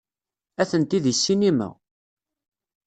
Atenti deg ssinima.